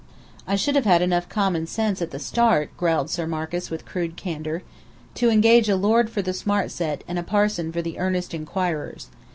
"I should have had enough common sense at the start," growled Sir Marcus with crude candour, "to engage a lord for the Smart Set, and a parson for the Ernest Inquirers.